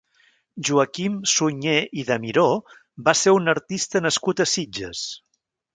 Joaquim Sunyer i de Miró va ser un artista nascut a Sitges.